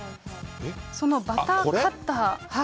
そのバターカッター。